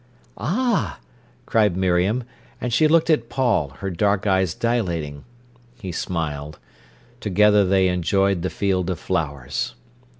"Ah!" cried Miriam, and she looked at Paul, her dark eyes dilating. He smiled. Together they enjoyed the field of flowers.